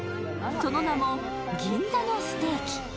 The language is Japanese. その名も、銀座のステーキ。